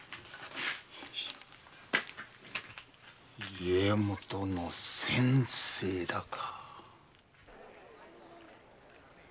家元の先生だか。